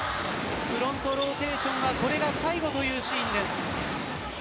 フロントローテーションはこれが最後というシーンです。